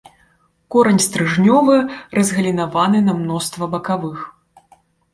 Корань стрыжнёвы, разгалінаваны на мноства бакавых.